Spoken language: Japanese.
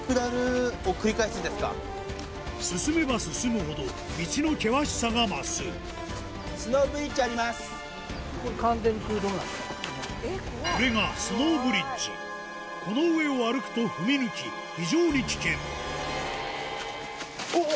進めば進むほど道の険しさが増すこれがスノーブリッジこの上を歩くと踏み抜き非常に危険おっ！